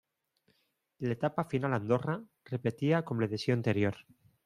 L'etapa final a Andorra, repetia com l'edició anterior.